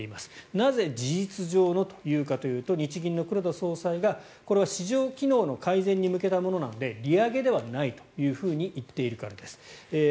なぜ、事実上のというかというと日銀の黒田総裁がこれは市場機能の改善に向けたものなので利上げではないというふうに言っているからです。